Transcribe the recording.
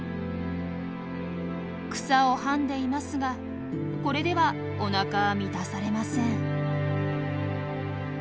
草をはんでいますがこれではおなかは満たされません。